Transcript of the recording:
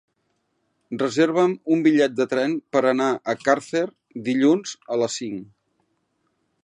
Reserva'm un bitllet de tren per anar a Càrcer dilluns a les cinc.